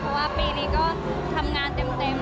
เพราะว่าปีนี้ก็ทำงานเต็มไปเลยค่ะ